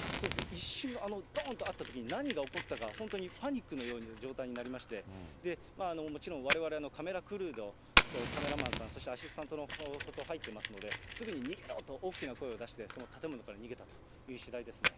一瞬のあのどーんとあったときに、何が起こったか、本当にパニックのような状態になりまして、もちろん、われわれカメラクルーとカメラマンさん、そしてアシスタントの子とはいっていますのですぐに逃げろ！と大きな声を出して、その建物から逃げたという次第ですね。